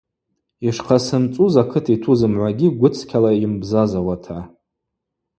Йшхъасымцӏуз акыт йту зымгӏвагьи гвыцкьала йымбзазауата.